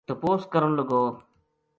تپوس کرن لگو